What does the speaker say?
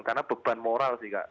karena beban moral sih kak